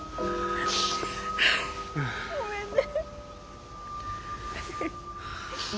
ごめんね。